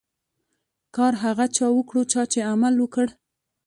کار هغه چا وکړو، چا چي عمل وکړ.